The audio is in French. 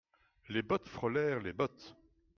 Les bottes frôlèrent les bottes.